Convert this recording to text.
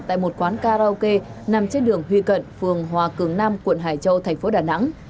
tại một quán karaoke nằm trên đường huy cận phường hòa cường nam quận hải châu thành phố đà nẵng